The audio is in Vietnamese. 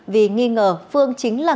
vì nghi ngờ phương chính là người đối tượng